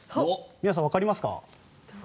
皆さんわかりますか？